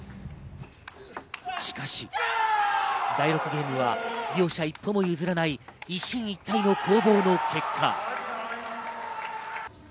しかし第６ゲームは両者一歩も譲らない、一進一退の攻防の結果。